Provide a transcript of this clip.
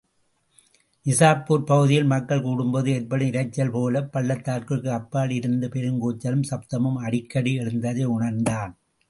நிஜாப்பூர் பகுதியில் மக்கள் கூடும்போது ஏற்படும் இரைச்சல் போலப் பள்ளத்தாக்கிற்கு அப்பால் இருந்து பெருங்கூச்சலும் சப்தமும் அடிக்கடி எழுந்ததையுணர்ந்தான்.